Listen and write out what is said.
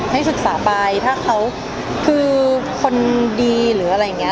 ให้ศึกษาไปถ้าเขาคือคนดีหรืออะไรอย่างนี้